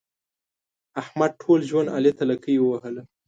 احمد ټول ژوند علي ته لکۍ ووهله.